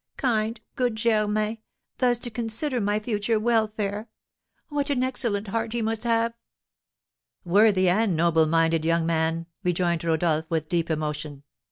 Kind, good Germain, thus to consider my future welfare! What an excellent heart he must have!" "Worthy and noble minded young man!" rejoined Rodolph, with deep emotion.